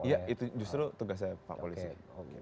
iya itu justru tugasnya pak polisi